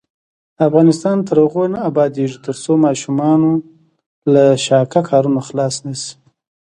افغانستان تر هغو نه ابادیږي، ترڅو ماشومان له شاقه کارونو خلاص نشي.